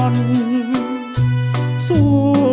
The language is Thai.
ยินดีครับ